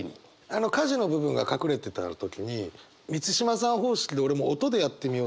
あの「火事」の部分が隠れてた時に満島さん方式で俺も音でやってみようと思って。